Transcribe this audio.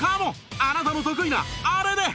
あなたの得意なあれで